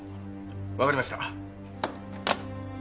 わかりました。